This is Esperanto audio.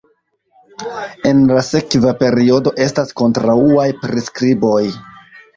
En la sekva periodo estas kontraŭaj priskriboj.